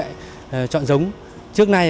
chúng ta sẽ chọn giống trước nay